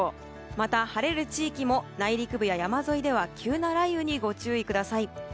また、晴れる地域も内陸部や山沿いでは急な雷雨にご注意ください。